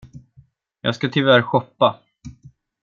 Jag ska tyvärr shoppa.